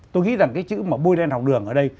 tôi nghĩ rằng cái chữ mà bôi đen học đường ở đây